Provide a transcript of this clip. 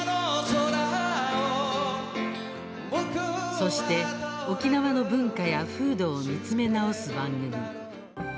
そして、沖縄の文化や風土を見つめ直す番組。